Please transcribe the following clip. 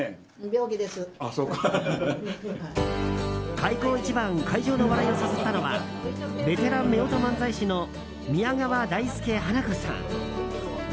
開口一番会場の笑いを誘ったのはベテラン夫婦漫才師の宮川大助・花子さん。